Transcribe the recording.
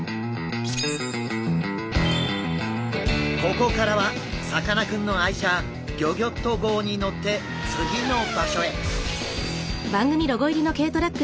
ここからはさかなクンの愛車ギョギョッと号に乗って次の場所へ。